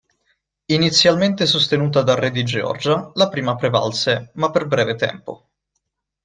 Inizialmente sostenuta dal re di Georgia, la prima prevalse, ma per breve tempo.